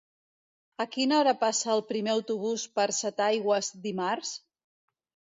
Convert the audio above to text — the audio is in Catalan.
A quina hora passa el primer autobús per Setaigües dimarts?